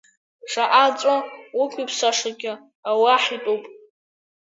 Шаҟа ҵәы уқәиԥсашагьы, аллаҳ итәуп.